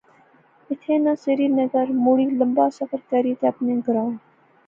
ایتھیں ناں سری نگر مڑی لمبا سفر کری تے اپنے گراں